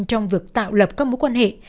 trong việc tạo lập các mối quan hệ